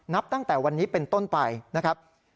นับตั้งแต่วันนี้เป็นต้นไปนะครับ